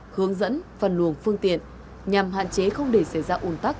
hướng dẫn phân luồng phương tiện nhằm hạn chế không để xảy ra ủn tắc